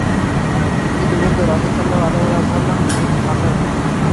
ইতোমধ্যে রাসূল সাল্লাল্লাহু আলাইহি ওয়াসাল্লাম নিজেকে সামলে নেন।